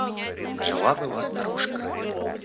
Жила была старушка.